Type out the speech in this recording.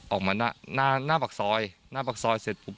ออกมาหน้าหน้าปากซอยหน้าปากซอยเสร็จปุ๊บ